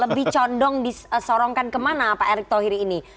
lebih condong disorongkan kemana pak erick thohir ini